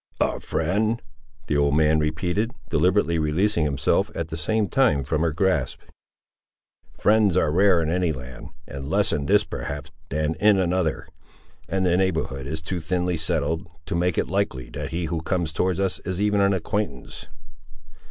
"A friend!" the old man repeated, deliberately releasing himself, at the same time, from her grasp. "Friends are rare in any land, and less in this, perhaps, than in another; and the neighbourhood is too thinly settled to make it likely that he who comes towards us is even an acquaintance."